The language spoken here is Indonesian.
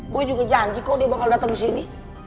boy juga janji kok dia bakal dateng disini